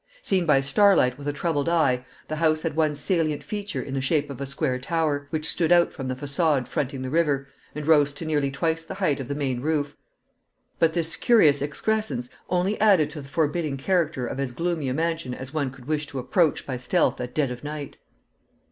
Seen by starlight with a troubled eye, the house had one salient feature in the shape of a square tower, which stood out from the facade fronting the river, and rose to nearly twice the height of the main roof. But this curious excrescence only added to the forbidding character of as gloomy a mansion as one could wish to approach by stealth at dead of night.